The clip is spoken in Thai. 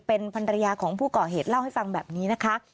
เป็นภรรยาของผู้ก่อเหตุเล่าให้ฟังแบบนี้นะคะ